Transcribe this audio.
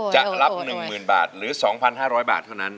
จะรับ๑๐๐๐บาทหรือ๒๕๐๐บาทเท่านั้น